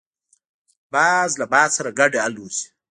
باز له باد سره ګډ الوزي